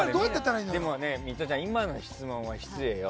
ミトちゃん、今の質問は失礼よ。